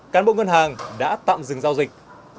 cán bộ ngân hàng đã tạm dừng giao dịch